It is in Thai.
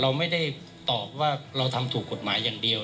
เราไม่ได้ตอบว่าเราทำถูกกฎหมายอย่างเดียว